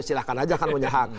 silahkan aja kan punya hak